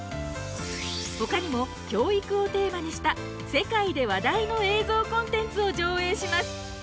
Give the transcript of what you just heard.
他にも教育をテーマにした世界で話題の映像コンテンツを上映します。